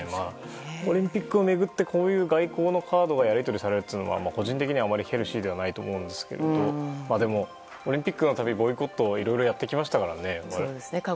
オリンピックを巡ってこういう外交のカードがやり取りされるというのは個人的にはヘルシーではないと思いますがでも、オリンピックの度ボイコットをいろいろやってきましたからね。